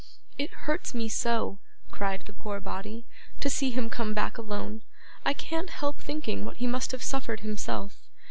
'It hurts me so,' cried the poor body, 'to see him come back alone. I can't help thinking what he must have suffered himself.